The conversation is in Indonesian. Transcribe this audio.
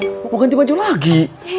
mau ganti baju lagi